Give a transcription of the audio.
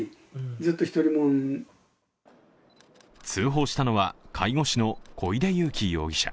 通報したのは、介護士の小出遊輝容疑者。